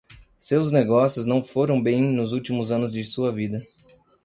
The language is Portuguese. Seus negócios não foram bem nos últimos anos de sua vida.